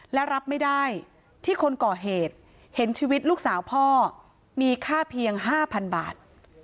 และรับไม่ได้ที่คนก่อเหตุเห็นชีวิตลูกสาวพ่อมีค่าเพียง๕๐๐๐บาท